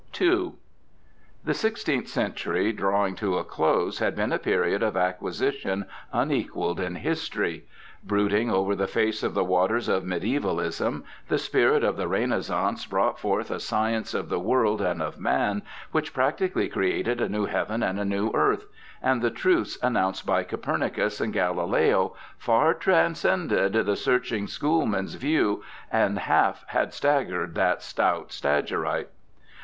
302 BIOGRAPHICAL ESSAYS II The sixteenth centur}^, drawing to a close, had been a period of acquisition unequalled in history. Brooding over the face of the waters of mediaevalism, the spirit of the Renaissance brought forth a science of the world and of man which practically created a new heaven and a new earth, and the truths announced by Copernicus and Galileo far transcended the searching schoolmen's view And half had staggered that stout Stagyrite.